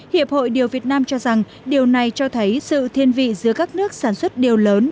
hiệp hội điều việt nam cho rằng điều này cho thấy sự thiên vị giữa các nước sản xuất điều lớn